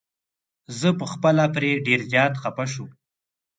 زه په خپله پرې ډير زيات خفه شوم.